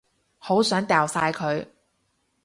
好想掉晒佢